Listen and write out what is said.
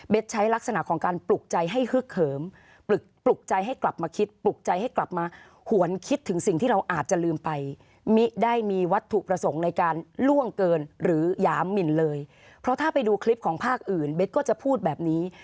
เบสใช้ลักษณะของการปลุกใจให้ฮึกเขิม